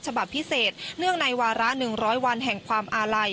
ฉบับพิเศษเนื่องในวาระ๑๐๐วันแห่งความอาลัย